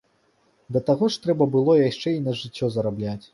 Да таго ж трэба было яшчэ і на жыццё зарабляць.